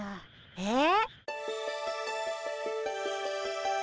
えっ？